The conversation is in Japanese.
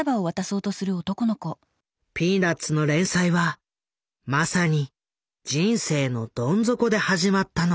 「ピーナッツ」の連載はまさに人生のどん底で始まったのだ。